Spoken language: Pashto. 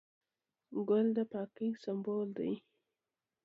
ګل د پاکۍ سمبول دی.